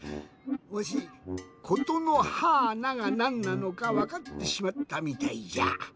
わし「ことのはーな」がなんなのかわかってしまったみたいじゃ。